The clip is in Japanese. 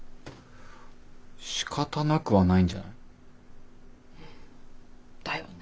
しかたなくはないんじゃない？だよね。